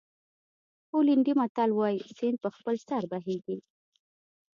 پولنډي متل وایي سیند په خپل سر بهېږي.